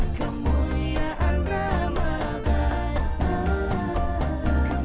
itulah kemuliaan ramadhan